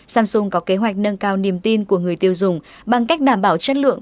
samsung có kế hoạch nâng cao niềm tin của người tiêu dùng bằng cách đảm bảo chất lượng